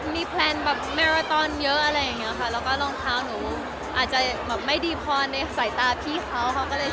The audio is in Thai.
มีแพลนแมรอตอนเยอะแล้วก็รองเท้าหนูอาจจะไม่ดีกว่าในสายตาพี่เขาก็ซื้อให้